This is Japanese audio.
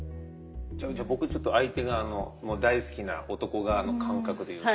じゃあ僕ちょっと相手側の大好きな男側の感覚で言うと。